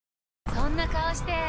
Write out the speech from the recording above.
そんな顔して！